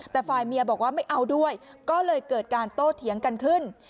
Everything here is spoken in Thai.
แต่ฝ่ายเมียบอกว่าไม่เอาด้วยก็เลยเกิดการโต้เถียงกันขึ้น